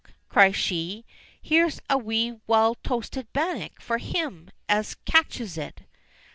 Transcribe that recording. cries she, "here's a wee well toasted bannock for him as catches it!"